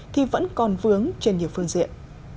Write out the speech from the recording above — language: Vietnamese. thì vẫn còn vướng trên nhiều phương diện